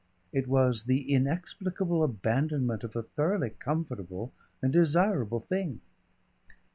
It was the inexplicable abandonment of a thoroughly comfortable and desirable thing.